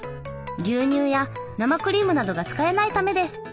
牛乳や生クリームなどが使えないためです。